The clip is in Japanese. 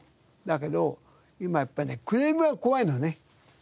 だけど今やっぱりクレームが怖いのね。